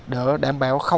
để đảm bảo